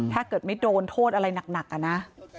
ถ้าเกิดไม่โดนโทษอะไรหนักอะนะ